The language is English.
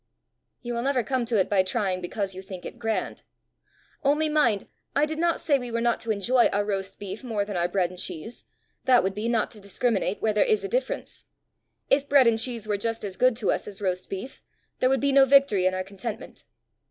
"You will never come to it by trying because you think it grand. Only mind, I did not say we were not to enjoy our roast beef more than our bread and cheese; that would be not to discriminate, where there is a difference. If bread and cheese were just as good to us as roast beef, there would be no victory in our contentment."